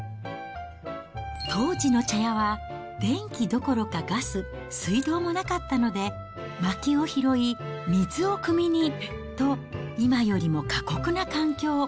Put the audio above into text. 当時の茶屋は、電気どころかガス、水道もなかったので、まきを拾い、水をくみにと、今よりも過酷な環境。